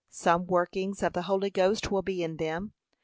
Some workings of the Holy Ghost will be in them.